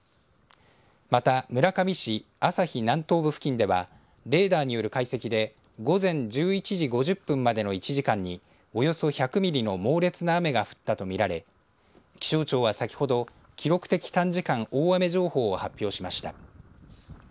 また、村上市朝日南東部付近ではレーダーによる解析で午前１１時５０分までの１時間におよそ１００ミリの猛烈な雨が降ったと見られ気象庁は先ほど記録的短時間大雨情報を発表しました。